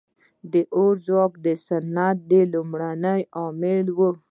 • د اور ځواک د صنعت لومړنی عامل و.